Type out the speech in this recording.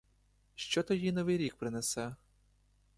Що то їй новий рік принесе?